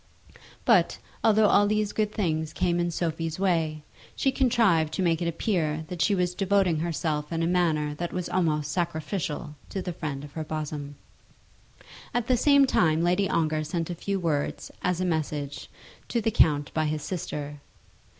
But, although all these good things came in Sophie's way, she contrived to make it appear that she was devoting herself in a manner that was almost sacrificial to the friend of her bosom. At the same time Lady Ongar sent a few words, as a message, to the count by his sister.